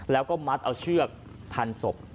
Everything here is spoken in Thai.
แล้วก็มัดเอาเชือกพันศพ